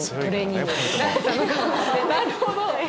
なるほど。